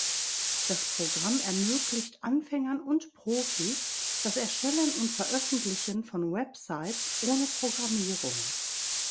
Das Programm ermöglicht Anfängern und Profis das Erstellen und Veröffentlichen von Websites ohne Programmierung.